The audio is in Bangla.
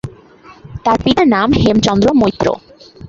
তার পিতার নাম হেমচন্দ্র মৈত্র।